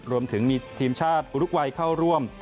รวมถึงมีทีมชาติอุรุกวัยเข้าร่วม